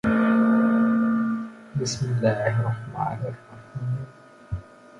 غير أنَّا نُريغُ بالمدح فيه